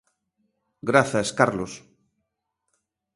Grazas, Carlos.